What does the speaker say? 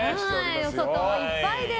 外もいっぱいで。